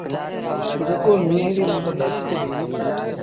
جيڪو ميݩهن ريٚ مند ڀرجي دو۔